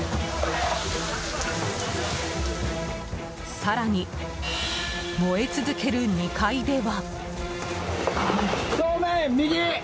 更に、燃え続ける２階では。